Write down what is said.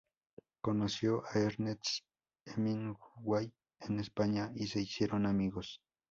Conoció a Ernest Hemingway en España y se hicieron amigos.